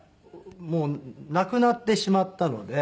もう亡くなってしまったので。